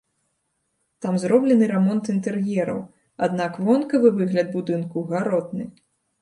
Там зроблены рамонт інтэр'ераў, аднак вонкавы выгляд будынку гаротны.